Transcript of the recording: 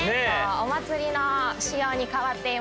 お祭りの仕様に変わっていますので。